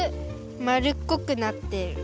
まるっこくなってる。